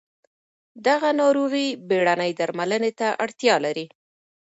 دغه ناروغي بېړنۍ درملنې ته اړتیا لري.